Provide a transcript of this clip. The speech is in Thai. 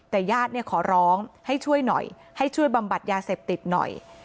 แต่ญาติเนี่ยขอร้องให้ช่วยหน่อยให้ช่วยบำบัดยาเสพติดหน่อย